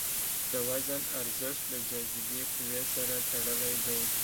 د وزن ارزښت د جاذبې قوې سره تړلی دی.